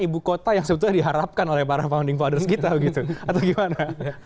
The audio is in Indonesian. ibu kota yang sebetulnya diharapkan oleh para founding fathers kita gitu atau gimana